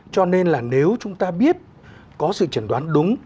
cho nên là nếu chúng ta biết có sự chẩn đoán đúng